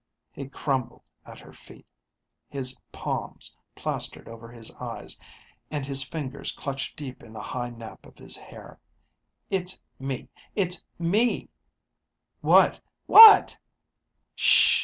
He crumbled at her feet, his palms plastered over his eyes and his fingers clutched deep in the high nap of his hair. "It's me! It's me!" "What? What?"